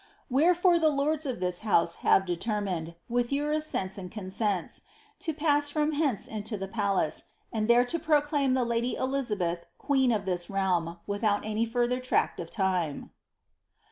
* ^Wherefore the lords of this house have determined, with your assents and itinsentj. to pass fiom hence into the palace, and there to proclaim the lady Elizabeth queen of this realm, without any further tract of time.'